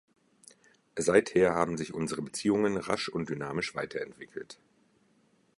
Seither haben sich unsere Beziehungen rasch und dynamisch weiterentwickelt.